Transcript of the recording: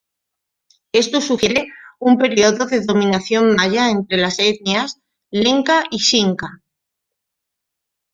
Esto sugiere un periodo de dominación maya sobre las etnias lenca y xinca.